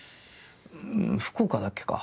福岡だっけか